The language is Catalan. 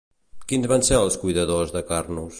Quins van ser els cuidadors de Carnos?